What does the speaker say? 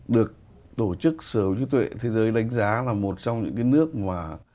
được tổ chức sở hữu trí tuệ thế giới đánh giá là một trong những cái nước mà